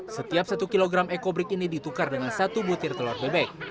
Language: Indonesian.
setiap satu kilogram ekobrik ini ditukar dengan satu butir telur bebek